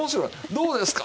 「どうですか？